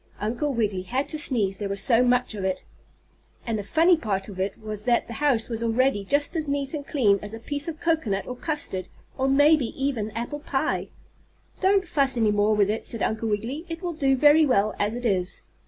Uncle Wiggily had to sneeze, there was so much of it. And the funny part of it was that the house was already just as neat and clean as a piece of cocoanut or custard, or maybe even apple pie. "Don't fuss any more with it," said Uncle Wiggily. "It will do very well as it is."